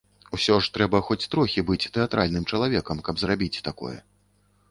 Усё ж трэба хоць трохі быць тэатральным чалавекам, каб зрабіць такое.